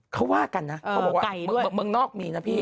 เขาว่ากันนะเขาบอกว่าเมืองนอกมีนะพี่